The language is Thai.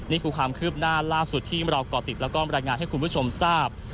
นี่คือความคืบหน้าล่าสุดที่เราก่อติดแล้วก็บรรยายงานให้คุณผู้ชมทราบ